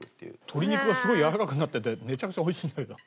鶏肉がすごいやわらかくなっててめちゃくちゃおいしいんだけど。